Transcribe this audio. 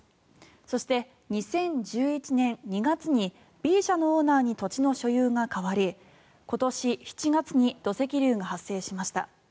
そして、２０１１年２月にＢ社のオーナーに土地の所有が変わり今年７月に土石流が発生しました。